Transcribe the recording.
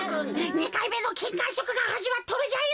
２かいめのきんかんしょくがはじまっとるじゃよ。